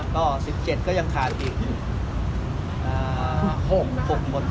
ก็๑๗ก็ยังขาดอีก๖คน